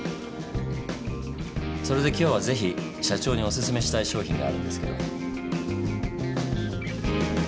それで今日は是非社長におすすめしたい商品があるんですけど。